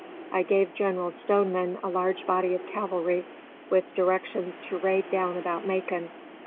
I gave General Stoneman a large body of cavalry, with directions to raid down about Macon.